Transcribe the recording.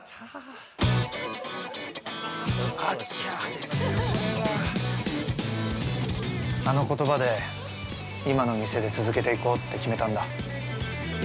◆あの言葉で、今の店で続けていこうって決めたんだ。